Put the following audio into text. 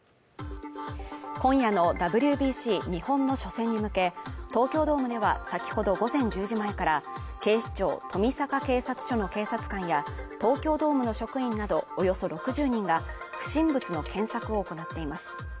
今夜のＷＢＣ日本の初戦に向け、東京ドームでは、先ほど午前１０時前から警視庁富坂警察署の警察官や東京ドームの職員などおよそ６０人が不審物の検索を行っています。